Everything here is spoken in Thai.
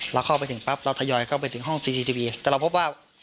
เราเข้าไปถึงปั๊บเราทยอยเข้าไปถึงห้องซีทีวีแต่เราพบว่า